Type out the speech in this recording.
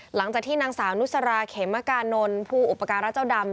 หลังจากที่นางสาวนุสราเขมกานนท์ผู้อุปการะเจ้าดำ